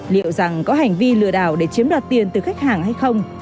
liệu rằng có hành vi lừa đảo để chiếm đoạt tiền từ khách hàng hay không